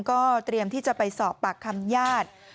ก็เตรียมที่จะไปสอบปากคำญาติ